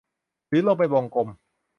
หรือลงเป็นวงกลม